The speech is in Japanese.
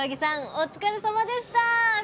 お疲れさまでした！